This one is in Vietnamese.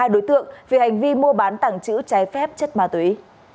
ba đối tượng vì hành vi mua bán tảng chữ trái phép chất ma túy